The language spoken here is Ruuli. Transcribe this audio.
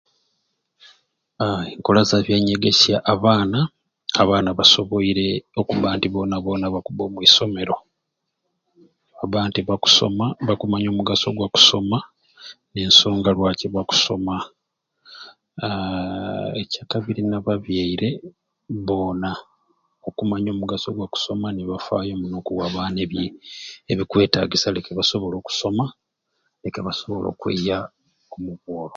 Aaa enkola za byanyegesya abaana abaana basoboire bona bona okuba nti bona bona bakuba omwinsomero nibaba nti bakusoma ntakumanya omugaso gwa kusoma ensonga lwaki bakusoma aaa ekyakabiri na babyeire bona okumanya omugaso gwa kusoma nibafaayo okuwa abaana ebikwetagisa leke basobole okusoma leke basobole okweya omu bworo